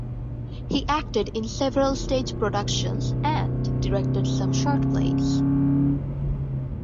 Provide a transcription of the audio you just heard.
He acted in several stage productions and directed some short plays.